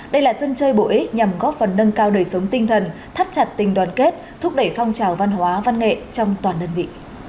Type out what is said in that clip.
đây là sân chơi bổ ích nhằm góp phần nâng cao đời sống tinh thần thắt chặt tình đoàn kết thúc đẩy phong trào văn hóa văn nghệ trong toàn đơn vị